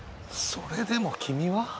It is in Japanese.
それでも君は？